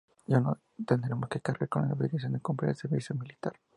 Ya no tendremos que cargar con la obligación de cumplir el servicio militar.